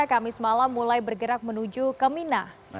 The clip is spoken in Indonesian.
kamis malam mulai bergerak menuju ke mina